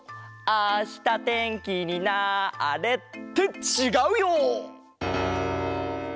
あしたてんきになれ！ってちがうよ！